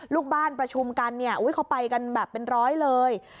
ลูกบ้านประชุมกันเนี่ยเขาไปกันแบบเป็นร้อยเลย